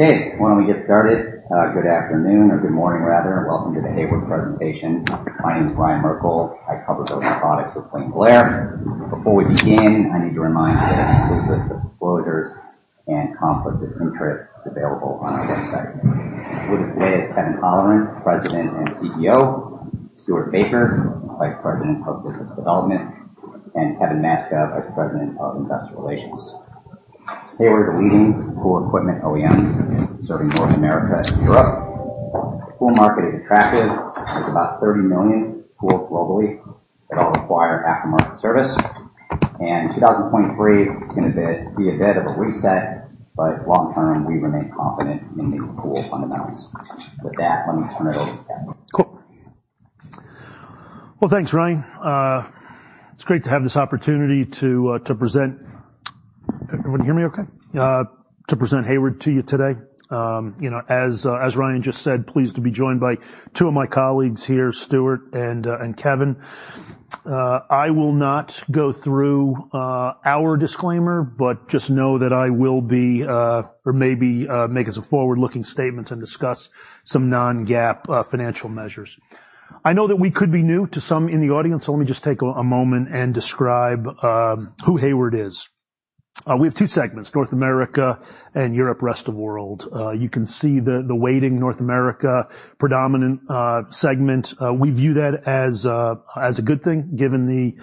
Okay, why don't we get started? Good afternoon or good morning, rather, and welcome to the Hayward presentation. My name is Ryan Merkel. I cover the robotics with William Blair. Before we begin, I need to remind you that there's a list of disclosures and conflicts of interest available on our website. With us today is Kevin Holleran, President and CEO, Stuart Baker, Vice President of Business Development, and Kevin Maczka, Vice President of Investor Relations. Hayward is a leading pool equipment OEM serving North America and Europe. The pool market is attractive. There's about 30 million pools globally that all require aftermarket service, and 2023 is going to be a bit of a reset, but long term, we remain confident in the pool fundamentals. With that, let me turn it over to Kevin. Cool. Well, thanks, Ryan. It's great to have this opportunity to present. Can everyone hear me okay? To present Hayward to you today. You know, as Ryan just said, pleased to be joined by two of my colleagues here, Stuart and Kevin. I will not go through our disclaimer, but just know that I will be or maybe make some forward-looking statements and discuss some non-GAAP financial measures. I know that we could be new to some in the audience, so let me just take a moment and describe who Hayward is. We have two segments, North America and Europe, rest of world. You can see the weighting North America predominant segment. We view that as a good thing, given the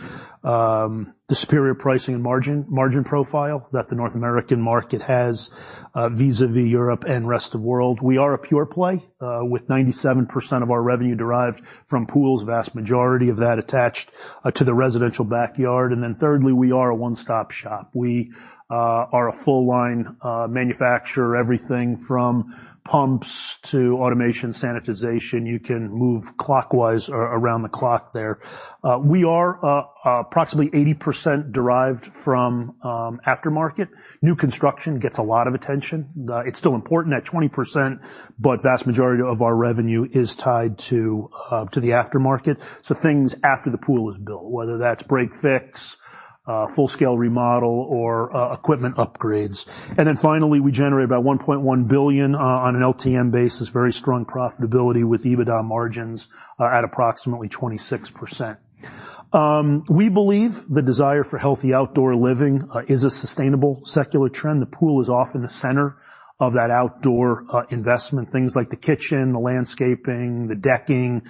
superior pricing and margin profile that the North American market has vis-a-vis Europe and rest of world. We are a pure play with 97% of our revenue derived from pools, vast majority of that attached to the residential backyard. Thirdly, we are a one-stop shop. We are a full line manufacturer, everything from pumps to automation, sanitization. You can move clockwise around the clock there. We are approximately 80% derived from aftermarket. New construction gets a lot of attention. It's still important at 20%, vast majority of our revenue is tied to the aftermarket. Things after the pool is built, whether that's break, fix, full-scale remodel, or equipment upgrades. Finally, we generate about $1.1 billion on an LTM basis. Very strong profitability with EBITDA margins at approximately 26%. We believe the desire for healthy outdoor living is a sustainable secular trend. The pool is often the center of that outdoor investment. Things like the kitchen, the landscaping, the decking,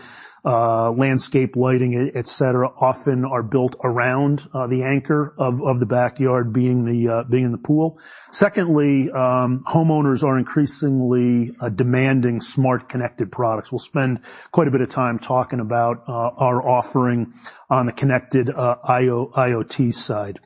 landscape lighting, et cetera, often are built around the anchor of the backyard being the pool. Secondly, homeowners are increasingly demanding smart, connected products. We'll spend quite a bit of time talking about our offering on the connected IoT side.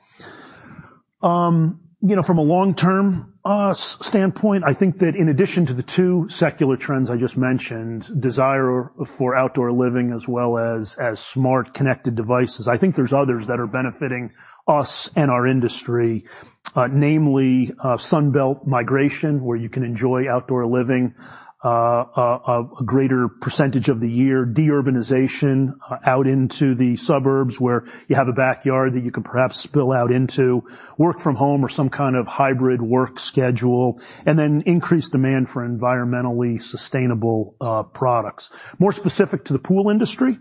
you know, from a long-term standpoint, I think that in addition to the two secular trends I just mentioned, desire for outdoor living as well as smart connected devices, I think there's others that are benefiting us and our industry, namely, Sun Belt migration, where you can enjoy outdoor living, a greater percentage of the year. De-urbanization out into the suburbs, where you have a backyard that you can perhaps spill out into. Work from home or some kind of hybrid work schedule, and then increased demand for environmentally sustainable products. More specific to the pool industry,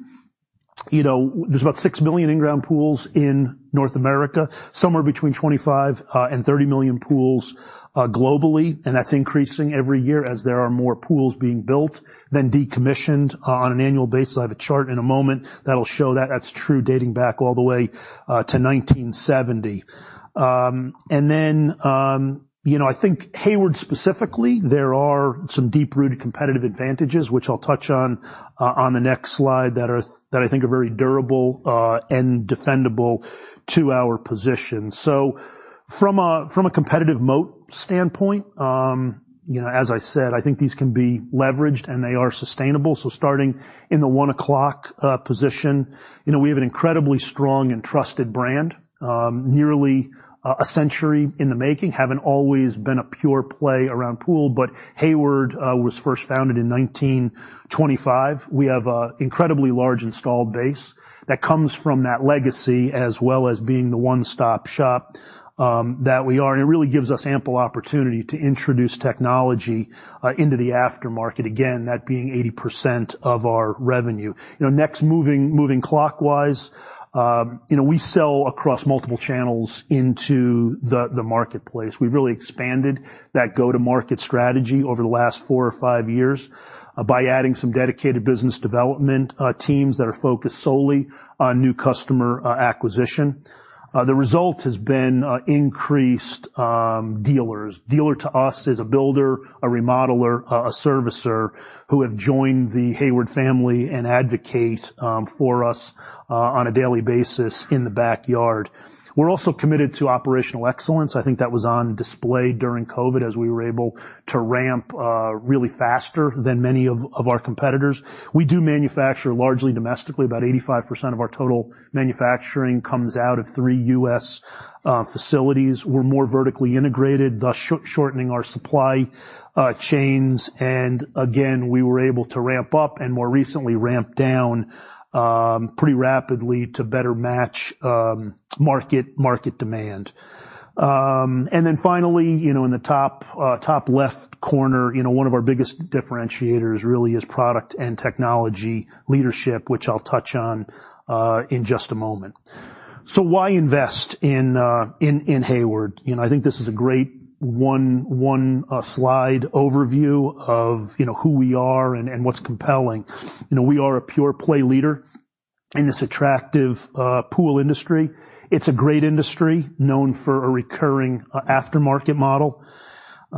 you know, there's about 6 million in-ground pools in North America, somewhere between 25 and 30 million pools, globally, and that's increasing every year as there are more pools being built than decommissioned on an annual basis. I have a chart in a moment that'll show that. That's true dating back all the way to 1970. You know, I think Hayward specifically, there are some deep-rooted competitive advantages, which I'll touch on on the next slide, that I think are very durable and defendable to our position. From a competitive moat standpoint, you know, as I said, I think these can be leveraged, and they are sustainable. Starting in the 1:00 position, you know, we have an incredibly strong and trusted brand, nearly a century in the making. Haven't always been a pure play around pool, Hayward was first founded in 1925. We have a incredibly large installed base that comes from that legacy, as well as being the one-stop shop that we are. It really gives us ample opportunity to introduce technology into the aftermarket. Again, that being 80% of our revenue. You know, next, moving clockwise, you know, we sell across multiple channels into the marketplace. We've really expanded that go-to-market strategy over the last four or five years by adding some dedicated business development teams that are focused solely on new customer acquisition. The result has been increased dealers. Dealer to us is a builder, a remodeler, a servicer who have joined the Hayward family and advocate for us on a daily basis in the backyard. We're also committed to operational excellence. I think that was on display during COVID, as we were able to ramp really faster than many of our competitors. We do manufacture largely domestically. About 85% of our total manufacturing comes out of three US facilities. We're more vertically integrated, thus shortening our supply chains. Again, we were able to ramp up and more recently ramp down pretty rapidly to better match market demand. Finally, you know, in the top top left corner, you know, one of our biggest differentiators really is product and technology leadership, which I'll touch on in just a moment. Why invest in Hayward? You know, I think this is a great slide overview of, you know, who we are and what's compelling. You know, we are a pure-play leader in this attractive pool industry. It's a great industry, known for a recurring aftermarket model.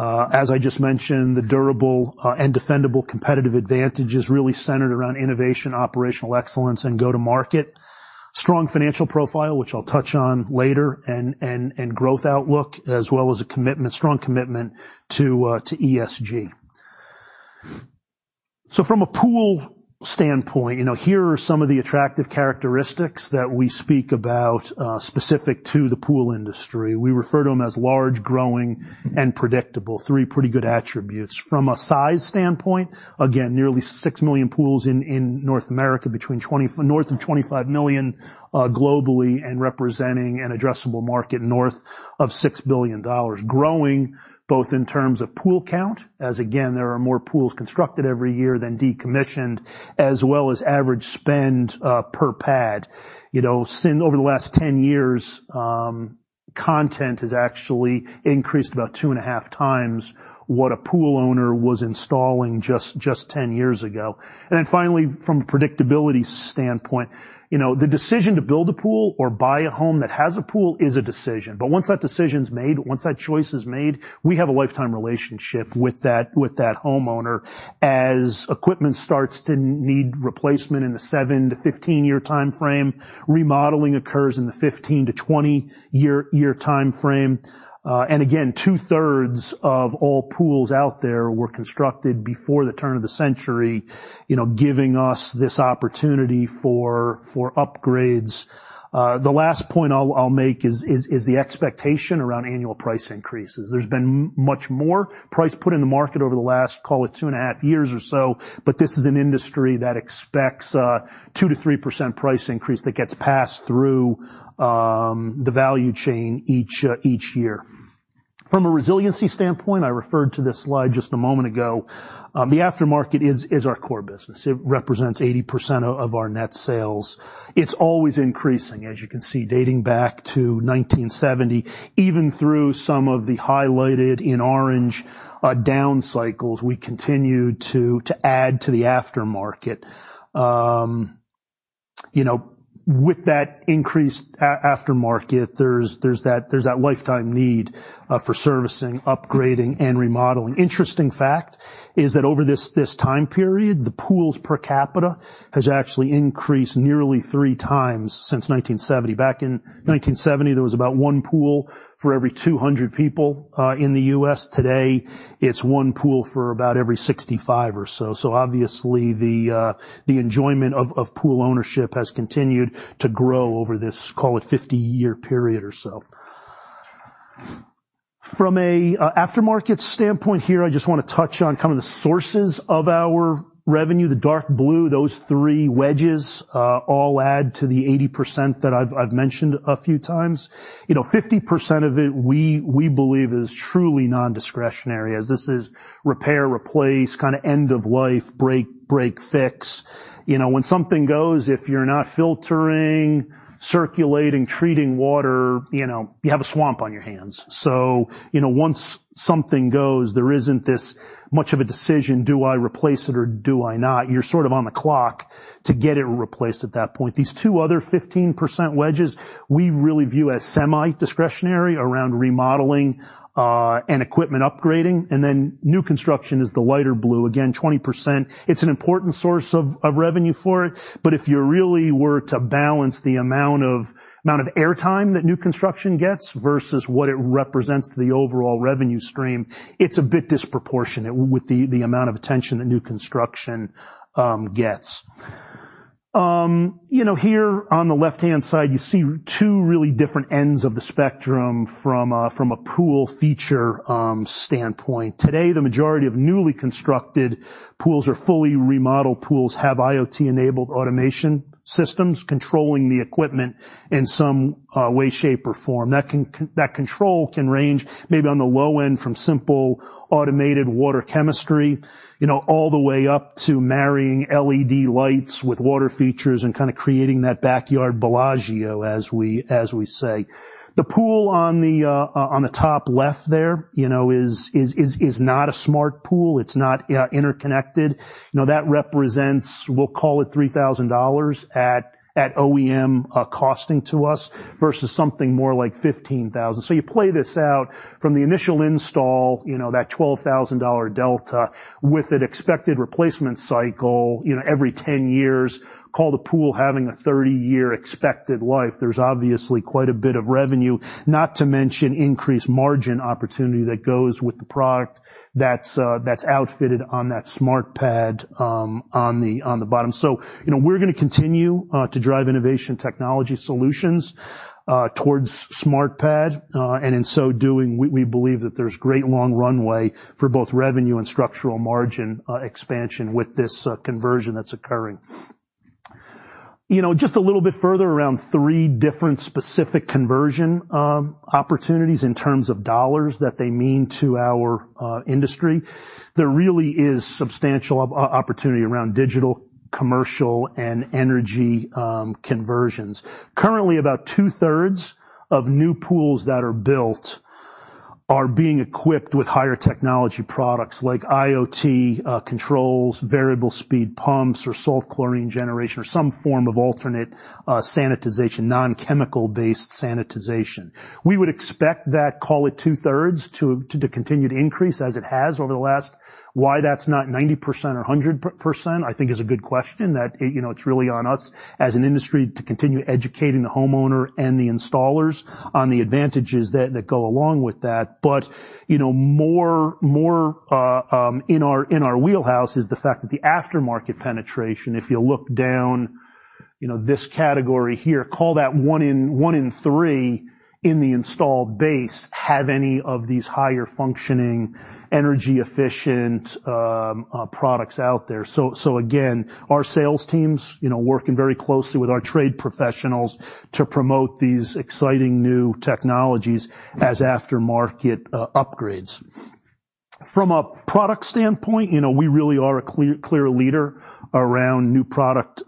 As I just mentioned, the durable and defendable competitive advantage is really centered around innovation, operational excellence, and go-to-market. Strong financial profile, which I'll touch on later, and growth outlook, as well as a commitment, strong commitment to ESG. From a pool standpoint, you know, here are some of the attractive characteristics that we speak about specific to the pool industry. We refer to them as large, growing, and predictable, three pretty good attributes. From a size standpoint, again, nearly 6 million pools in North America, north of 25 million globally, and representing an addressable market north of $6 billion. Growing, both in terms of pool count, as again, there are more pools constructed every year than decommissioned, as well as average spend per PAD. You know, since over the last 10 years, content has actually increased about 2 1/2 times what a pool owner was installing just 10 years ago. Finally, from a predictability standpoint, you know, the decision to build a pool or buy a home that has a pool is a decision. Once that decision's made, once that choice is made, we have a lifetime relationship with that homeowner. As equipment starts to need replacement in the 7-15-year timeframe, remodeling occurs in the 15-20-year timeframe. Again, 2/3 of all pools out there were constructed before the turn of the century, you know, giving us this opportunity for upgrades. The last point I'll make is the expectation around annual price increases. There's been much more price put in the market over the last, call it, 2.5 years or so. This is an industry that expects a 2%-3% price increase that gets passed through the value chain each year. From a resiliency standpoint, I referred to this slide just a moment ago. The aftermarket is our core business. It represents 80% of our net sales. It's always increasing, as you can see, dating back to 1970. Even through some of the highlighted in orange down cycles, we continued to add to the aftermarket. You know, with that increased aftermarket, there's that lifetime need for servicing, upgrading, and remodeling. Interesting fact is that over this time period, the pools per capita has actually increased nearly three times since 1970. Back in 1970, there was about 1 pool for every 200 people in the U.S. Today, it's 1 pool for about every 65 or so. Obviously, the enjoyment of pool ownership has continued to grow over this, call it, 50-year period or so. From a aftermarket standpoint here, I just wanna touch on kind of the sources of our revenue. The dark blue, those three wedges, all add to the 80% that I've mentioned a few times. You know, 50% of it, we believe is truly non-discretionary, as this is repair, replace, kinda end of life, break, fix. You know, when something goes, if you're not filtering, circulating, treating water, you know, you have a swamp on your hands. You know, once something goes, there isn't this much of a decision, Do I replace it or do I not? You're sort of on the clock to get it replaced at that point. These two other 15% wedges, we really view as semi-discretionary around remodeling and equipment upgrading, and then new construction is the lighter blue, again, 20%. It's an important source of revenue for it, but if you really were to balance the amount of airtime that new construction gets versus what it represents to the overall revenue stream, it's a bit disproportionate with the amount of attention that new construction gets. You know, here on the left-hand side, you see two really different ends of the spectrum from a pool feature standpoint. Today, the majority of newly constructed pools or fully remodeled pools have IoT-enabled automation systems, controlling the equipment in some way, shape, or form. That control can range maybe on the low end, from simple automated water chemistry, you know, all the way up to marrying LED lighting with water features and kinda creating that backyard Bellagio, as we, as we say. The pool on the top left there, you know, is not a smart pool. It's not interconnected. You know, that represents, we'll call it $3,000 at OEM costing to us, versus something more like $15,000. You play this out from the initial install, you know, that $12,000 delta, with an expected replacement cycle, you know, every 10 years, call the pool having a 30-year expected life. There's obviously quite a bit of revenue, not to mention increased margin opportunity that goes with the product that's outfitted on that SmartPad on the bottom. You know, we're gonna continue to drive innovation technology solutions towards SmartPad, and in so doing, we believe that there's great long runway for both revenue and structural margin expansion with this conversion that's occurring. Just a little bit further, around three different specific conversion opportunities in terms of dollars that they mean to our industry. There really is substantial opportunity around digital, commercial, and energy conversions. Currently, about 2/3 of new pools that are built are being equipped with higher technology products like IoT controls, variable speed pumps, or salt chlorine generation, or some form of alternate sanitization, non-chemical-based sanitization. We would expect that, call it 2/3, to continue to increase as it has over the last. Why that's not 90% or 100%, I think, is a good question that, you know, it's really on us as an industry to continue educating the homeowner and the installers on the advantages that go along with that. You know, more in our wheelhouse is the fact that the aftermarket penetration, if you look down, you know, this category here, call that one in three in the installed base, have any of these higher functioning, energy-efficient products out there. Again, our sales teams, you know, working very closely with our trade professionals to promote these exciting new technologies as aftermarket upgrades. From a product standpoint, you know, we really are a clear leader around new product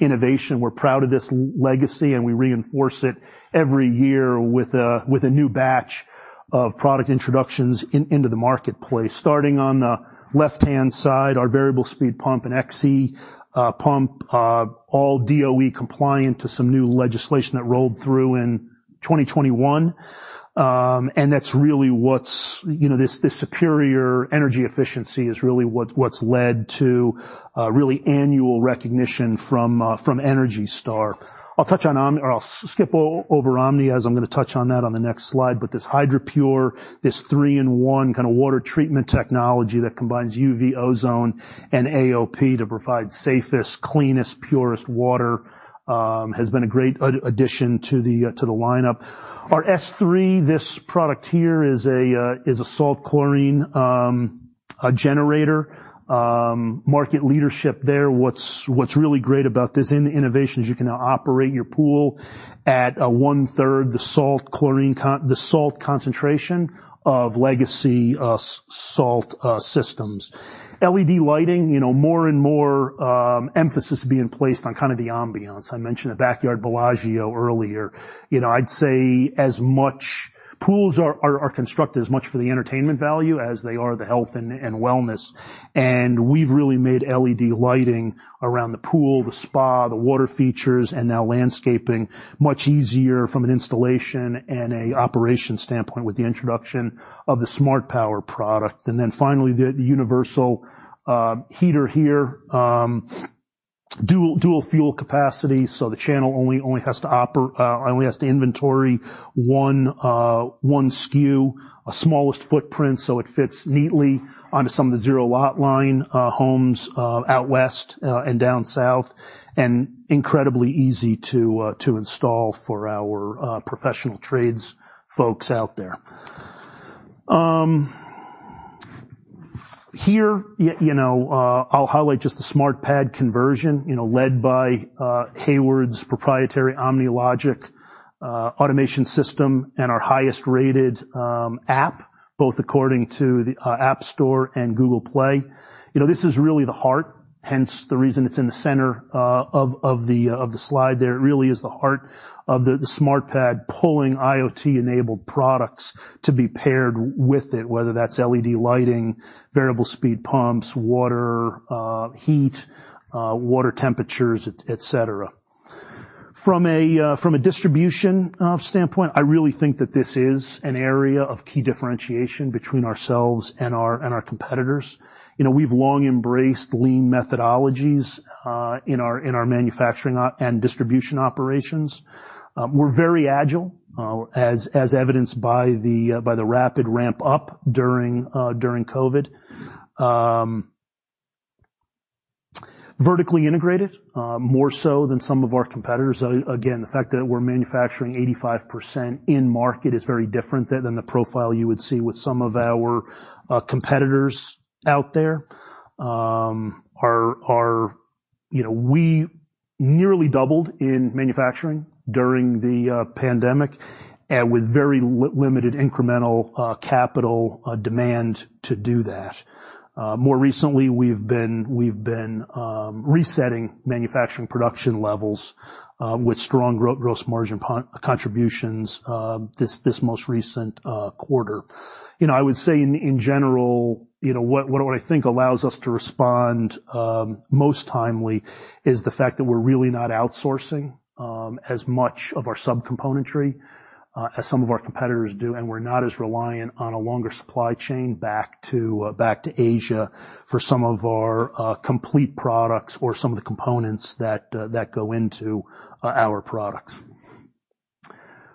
innovation. We're proud of this legacy, and we reinforce it every year with a new batch of product introductions into the marketplace. Starting on the left-hand side, our variable speed pump and XE pump, all DOE compliant to some new legislation that rolled through in 2021. You know, this superior energy efficiency is really what's led to annual recognition from ENERGY STAR. I'll touch on Omni, or I'll skip over Omni, as I'm gonna touch on that on the next slide. This HydraPure, this three-in-one kinda water treatment technology that combines UV, ozone, and AOP to provide safest, cleanest, purest water, has been a great addition to the lineup. Our S3, this product here is a salt chlorine a generator. Market leadership there. What's really great about this in innovations, you can now operate your pool at 1/3 the salt concentration of legacy salt systems. LED lighting, you know, more and more emphasis being placed on kind of the ambiance. I mentioned the Backyard Bellagio earlier. You know, I'd say as much, pools are constructed as much for the entertainment value as they are the health and wellness. We've really made LED lighting around the pool, the spa, the water features, and now landscaping much easier from an installation and operation standpoint with the introduction of the SmartPower product. Finally, the universal heater here. Dual-fuel capacity, so the channel only has to inventory one SKU, a smallest footprint, so it fits neatly onto some of the zero lot line homes out west and down south, and incredibly easy to install for our professional trades folks out there. Here, you know, I'll highlight just the SmartPad conversion, you know, led by Hayward's proprietary OmniLogic automation system, and our highest-rated app, both according to the App Store and Google Play. You know, this is really the heart, hence the reason it's in the center, of the slide there. It really is the heart of the SmartPad, pulling IoT-enabled products to be paired with it, whether that's LED lighting, variable speed pumps, water, heat, water temperatures, et cetera. From a distribution standpoint, I really think that this is an area of key differentiation between ourselves and our and our competitors. You know, we've long embraced lean methodologies in our in our manufacturing and distribution operations. We're very agile, as evidenced by the rapid ramp up during COVID. Vertically integrated, more so than some of our competitors. Again, the fact that we're manufacturing 85% in-market is very different than the profile you would see with some of our competitors out there. You know, we nearly doubled in manufacturing during the pandemic, and with very limited incremental capital demand to do that. More recently, we've been resetting manufacturing production levels, with strong gross margin contributions, this most recent quarter. You know, I would say in general, you know, what I think allows us to respond most timely is the fact that we're really not outsourcing as much of our sub componentry as some of our competitors do, and we're not as reliant on a longer supply chain back to back to Asia for some of our complete products or some of the components that go into our products.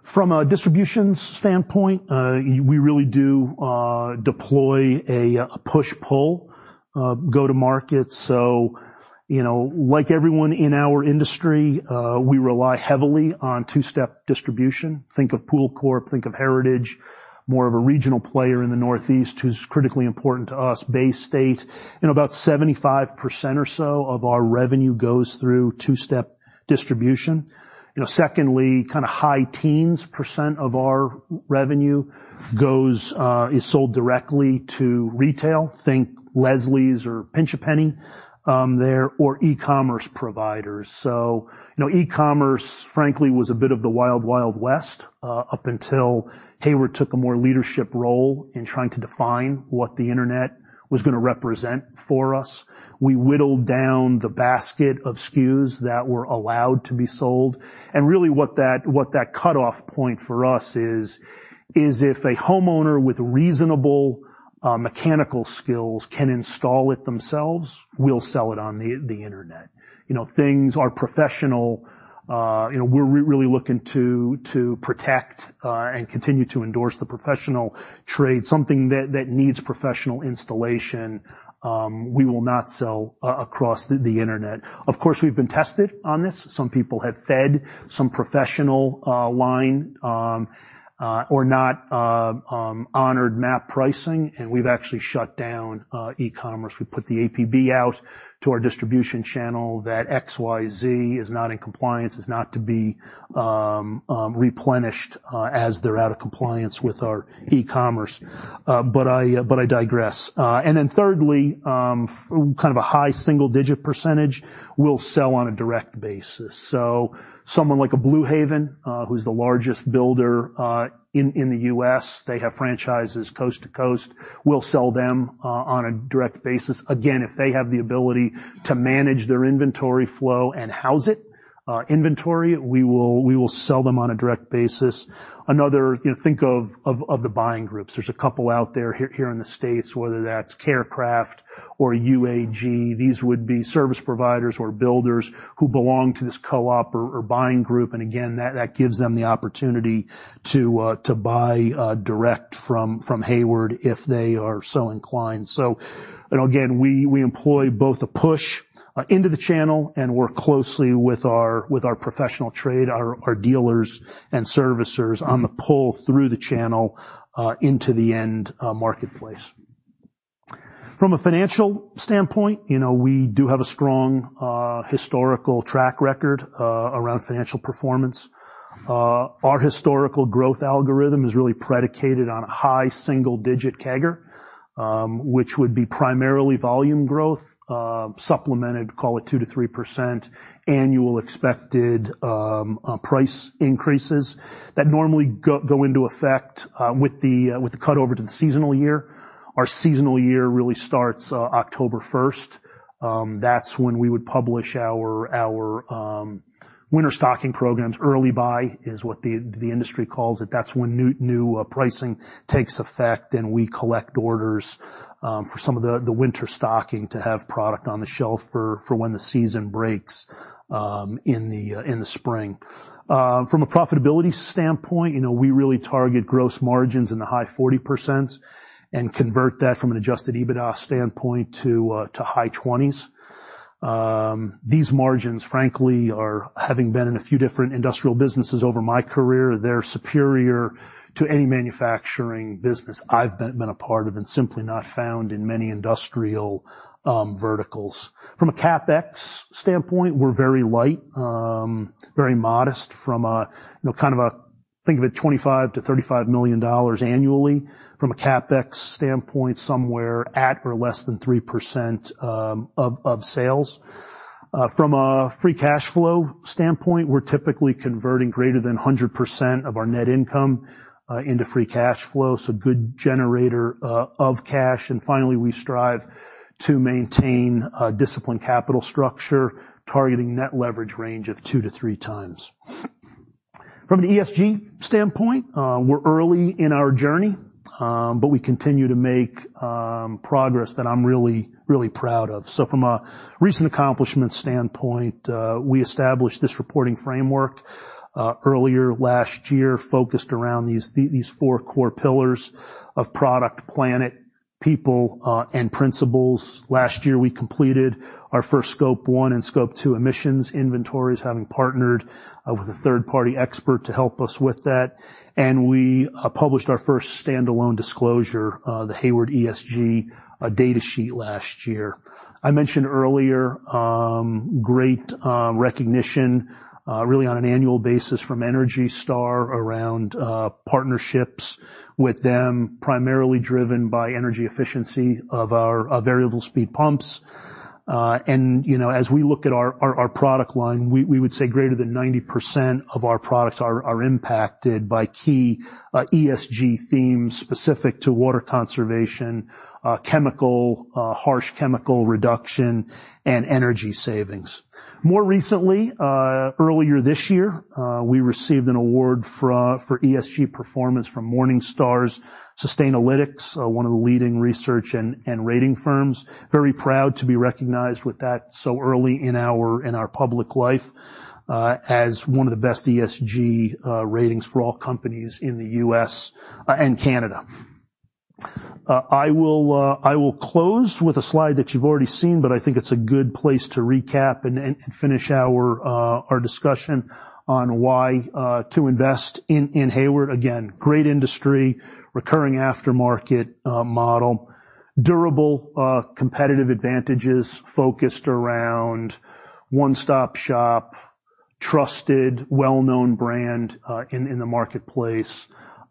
From a distribution standpoint, we really do deploy a push-pull go-to-market. You know, like everyone in our industry, we rely heavily on two-step distribution. Think of PoolCorp, think of Heritage, more of a regional player in the Northeast who's critically important to us, Baystate. You know, about 75% or so of our revenue goes through two-step distribution. You know, secondly, kind of high teens% of our revenue goes, is sold directly to retail. Think Leslie's or Pinch A Penny, there, or e-commerce providers. You know, e-commerce, frankly, was a bit of the Wild West, up until Hayward took a more leadership role in trying to define what the internet was gonna represent for us. We whittled down the basket of SKUs that were allowed to be sold, and really what that, what that cutoff point for us is if a homeowner with reasonable mechanical skills can install it themselves, we'll sell it on the internet. You know, things are professional. You know, we're really looking to protect and continue to endorse the professional trade. Something that needs professional installation, we will not sell across the internet. Of course, we've been tested on this. Some people have fed some professional line or not honored MAP pricing, and we've actually shut down e-commerce. We put the APB out to our distribution channel that XYZ is not in compliance, is not to be replenished, as they're out of compliance with our e-commerce. But I digress. And then thirdly, kind of a high single-digit percentage, we'll sell on a direct basis. So someone like a Blue Haven, who's the largest builder in the U.S., they have franchises coast to coast. We'll sell them on a direct basis. Again, if they have the ability to manage their inventory flow and house it, inventory, we will, we will sell them on a direct basis. Another.. You know, think of the buying groups. There's a couple out there here in the States, whether that's Carecraft or UAG. These would be service providers or builders who belong to this co-op or buying group. Again, that gives them the opportunity to buy direct from Hayward if they are so inclined. Again, we employ both a push into the channel and work closely with our professional trade, our dealers and servicers on the pull through the channel into the end marketplace. From a financial standpoint, you know, we do have a strong historical track record around financial performance. Our historical growth algorithm is really predicated on a high single-digit CAGR, which would be primarily volume growth, supplemented, call it 2%-3% annual expected price increases that normally go into effect with the cut over to the seasonal year. Our seasonal year really starts October 1st. That's when we would publish our winter stocking programs. Early buy is what the industry calls it. That's when new pricing takes effect, and we collect orders for some of the winter stocking to have product on the shelf for when the season breaks in the spring. From a profitability standpoint, you know, we really target gross margins in the high 40% and convert that from an adjusted EBITDA standpoint to high 20s. These margins, frankly, are having been in a few different industrial businesses over my career, they're superior to any manufacturing business I've been a part of and simply not found in many industrial verticals. From a CapEx standpoint, we're very light, very modest, from a, you know, $25 million-$35 million annually. From a CapEx standpoint, somewhere at or less than 3% of sales. From a free cash flow standpoint, we're typically converting greater than 100% of our net income into free cash flow, good generator of cash. Finally, we strive to maintain a disciplined capital structure, targeting net leverage range of 2-3 times. From an ESG standpoint, we're early in our journey, but we continue to make progress that I'm really, really proud of. From a recent accomplishment standpoint, we established this reporting framework earlier last year, focused around these four core pillars of product, planet, people, and principles. Last year, we completed our first scope 1 and scope 2 emissions inventories, having partnered with a third-party expert to help us with that. We published our first standalone disclosure, the Hayward ESG data sheet last year. I mentioned earlier, great recognition really on an annual basis from ENERGY STAR around partnerships with them, primarily driven by energy efficiency of our variable speed pumps. And, you know, as we look at our product line, we would say greater than 90% of our products are impacted by key ESG themes specific to water conservation, chemical, harsh chemical reduction, and energy savings. More recently, earlier this year, we received an award for ESG performance from Morningstar Sustainalytics, one of the leading research and rating firms. Very proud to be recognized with that so early in our public life, as one of the best ESG ratings for all companies in the U.S. and Canada. I will close with a slide that you've already seen, but I think it's a good place to recap and finish our discussion on why to invest in Hayward. Great industry, recurring aftermarket model. Durable, competitive advantages focused around one-stop shop, trusted, well-known brand in the marketplace.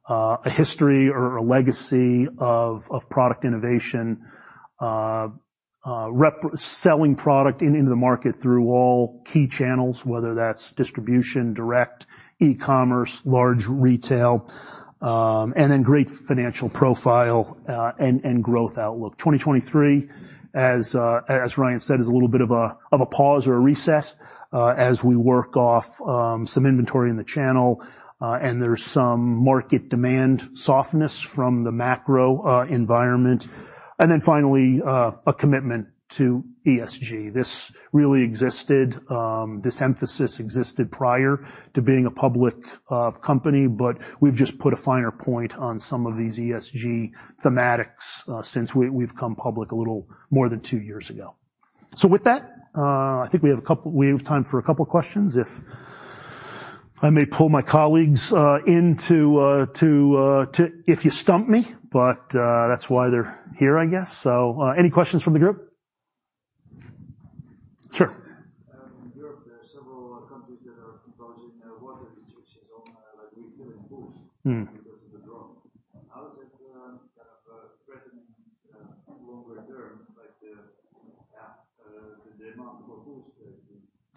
A history or a legacy of product innovation. selling product into the market through all key channels, whether that's distribution, direct, e-commerce, large retail, and then great financial profile, and growth outlook. 2023, as Ryan said, is a little bit of a pause or a recess as we work off some inventory in the channel, and there's some market demand softness from the macro environment. Finally, a commitment to ESG. This really existed, this emphasis existed prior to being a public company, but we've just put a finer point on some of these ESG thematics since we've come public a little more than 2 years ago. With that, I think we have time for a couple questions. If I may pull my colleagues in to... If you stump me, but that's why they're here, I guess. Any questions from the group? Sure. In Europe, there are several countries that are imposing, water restrictions on, like, refilling pools... Mm. because of the drought. How is this, kind of, threatening, longer term, like the demand for pools?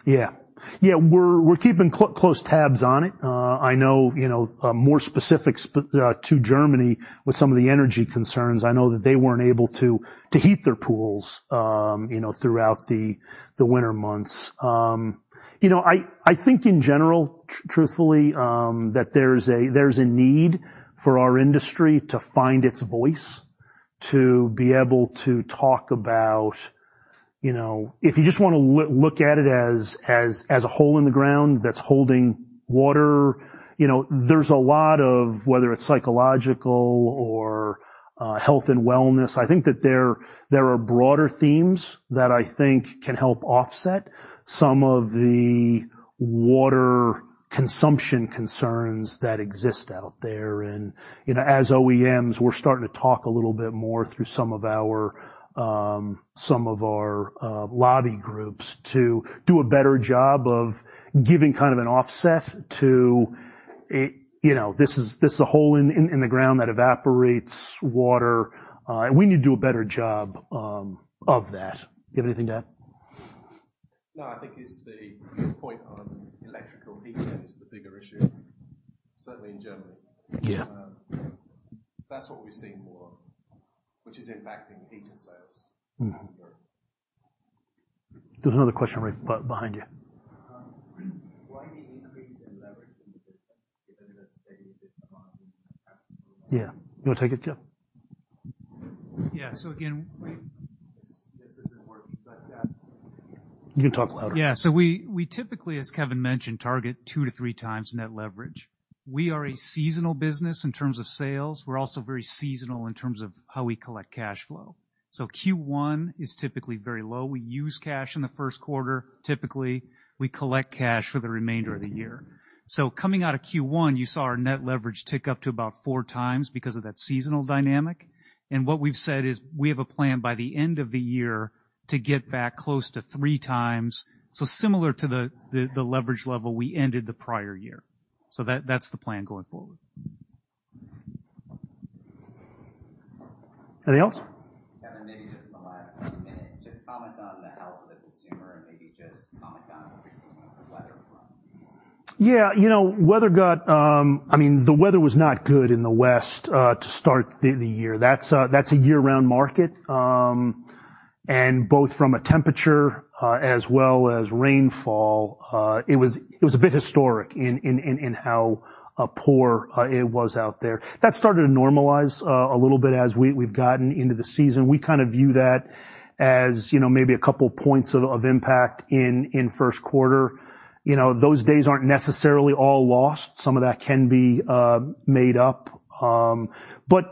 Yeah. Yeah, we're keeping close tabs on it. I know, you know, more specific to Germany with some of the energy concerns, I know that they weren't able to heat their pools, you know, throughout the winter months. You know, I think in general, truthfully, that there's a need for our industry to find its voice, to be able to talk about, you know. If you just wanna look at it as a hole in the ground that's holding water, you know, there's a lot of, whether it's psychological or health and wellness, I think that there are broader themes that I think can help offset some of the water consumption concerns that exist out there. You know, as OEMs, we're starting to talk a little bit more through some of our, some of our lobby groups, to do a better job of giving kind of an offset to a, you know, this is, this is a hole in the ground that evaporates water. We need to do a better job of that. Do you have anything to add? No, I think it's the point on electrical heating is the bigger issue, certainly in Germany. Yeah. That's what we're seeing more of, which is impacting heater sales. Mm in Europe. There's another question right behind you. Why the increase in leverage in the business, given the steady decline in the capital? Yeah. You wanna take it, Jim? Yeah. Again. This isn't working, but, yeah. You can talk louder. Yeah. We typically, as Kevin mentioned, target 2-3x net leverage. We are a seasonal business in terms of sales. We're also very seasonal in terms of how we collect cash flow. Q1 is typically very low. We use cash in the first quarter, typically. We collect cash for the remainder of the year. Coming out of Q1, you saw our net leverage tick up to about 4x because of that seasonal dynamic, and what we've said is we have a plan by the end of the year to get back close to 3x, so similar to the, the leverage level we ended the prior year. That, that's the plan going forward. Anything else? Kevin, maybe just in the last minute, just comment on the health of the consumer and maybe just comment on the recent weather front. Yeah. You know, weather got. I mean, the weather was not good in the west to start the year. That's a year-round market. Both from a temperature as well as rainfall, it was a bit historic in how poor it was out there. That started to normalize a little bit as we've gotten into the season. We kind of view that as, you know, maybe a couple points of impact in first quarter. You know, those days aren't necessarily all lost. Some of that can be made up. You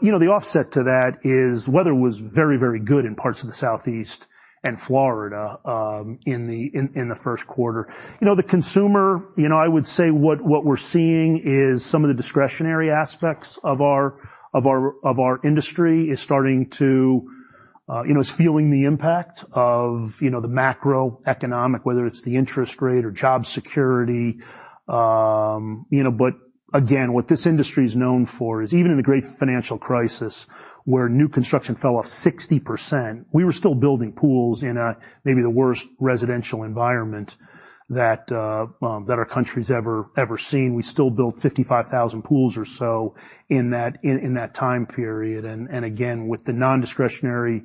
know, the offset to that is weather was very good in parts of the Southeast and Florida in the first quarter. You know, the consumer, you know, I would say what we're seeing is some of the discretionary aspects of our industry is starting to, you know, is feeling the impact of, you know, the macroeconomic, whether it's the interest rate or job security. You know, but again, what this industry is known for is even in the great financial crisis, where new construction fell off 60%, we were still building pools in a, maybe the worst residential environment that our country's ever seen. We still built 55,000 pools or so in that time period. Again, with the non-discretionary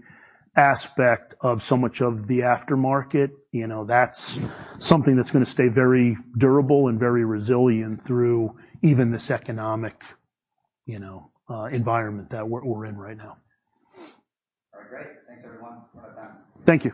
aspect of so much of the aftermarket, you know, that's something that's gonna stay very durable and very resilient through even this economic, you know, environment that we're in right now. Thank you.